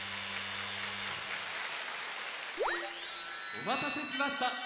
おまたせしました！